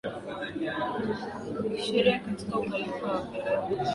kisheria katika Ukhalifa wa Kiarabu Walakini utii wa watu